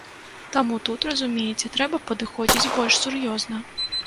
Таму тут, разумееце, трэба падыходзіць больш сур'ёзна.